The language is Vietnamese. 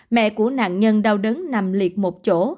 mẹ của nạn nhân đau đớn nằm liệt một chỗ